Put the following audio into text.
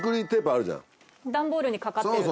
段ボールに掛かってる？